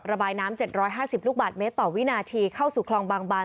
ระบายน้ำ๗๕๐ลูกบาทเมตรต่อวินาทีเข้าสู่คลองบางบาน